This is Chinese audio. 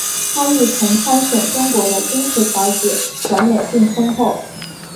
她亦曾参选中国的金石小姐选美并封后。